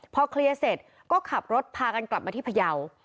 พอเคลียร์เสร็จก็ขับรถพากันกลับมาที่พยาว